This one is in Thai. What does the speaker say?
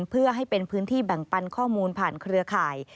เพื่อให้เป็นพื้นที่แบ่งปันข้อมูลผ่านเครือข่าย